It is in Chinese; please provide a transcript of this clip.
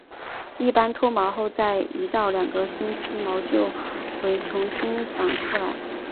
一般脱毛后在一到两个星期毛就回重新长出来。